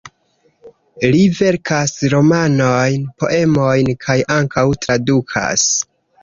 Li verkas romanojn, poemojn kaj ankaŭ tradukas.